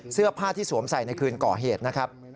เสื้อผ้าที่สวมใส่ในคืนก่อเหตุนะครับ